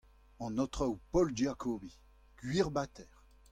An Aotrou Paul Giacobbi : Gwir-Bater !